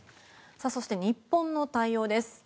そして、日本の対応です。